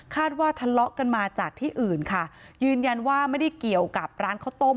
ว่าทะเลาะกันมาจากที่อื่นค่ะยืนยันว่าไม่ได้เกี่ยวกับร้านข้าวต้ม